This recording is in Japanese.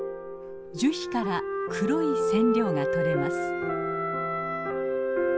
樹皮から黒い染料がとれます。